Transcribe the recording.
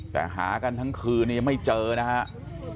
แต่หากันทั้งคืนนี้ยังไม่เจอนะครับ